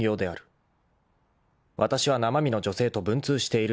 ［わたしは生身の女性と文通しているのだ］